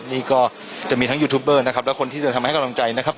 นี่ก็จะมีทั้งยูทูบเบอร์นะครับและคนที่เดินทางมาให้กำลังใจนะครับ